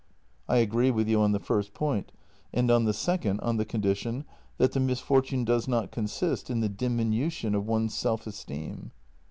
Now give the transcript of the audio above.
" I agree with you on the first point — and on the second on the condition that the misfortune does not consist in the diminution of one's self esteem."